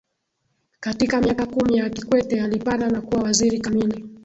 Katika miaka kumi ya Kikwete alipanda na kuwa waziri kamili